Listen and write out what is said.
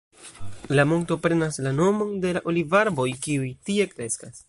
La monto prenas la nomon de la olivarboj kiuj tie kreskas.